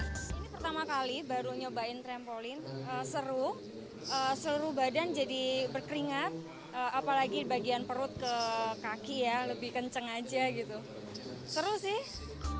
ini pertama kali baru nyobain trampolin seru seluruh badan jadi berkeringat apalagi bagian perut ke kaki ya lebih kenceng aja gitu seru sih